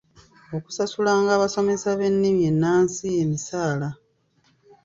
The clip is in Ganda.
Okusasuliranga abasomesa b’ennimi ennansi emisaala